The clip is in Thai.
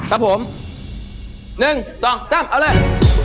ครับผมหนึ่งสองสามเอาเลย